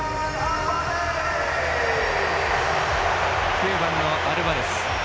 ９番のアルバレス。